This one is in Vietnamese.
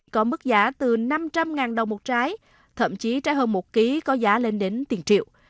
có mức giá từ năm trăm linh đồng một trái thậm chí trái hơn một ký có giá lên đến tiền triệu